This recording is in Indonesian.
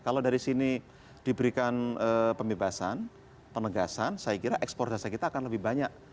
kalau dari sini diberikan pembebasan penegasan saya kira ekspor jasa kita akan lebih banyak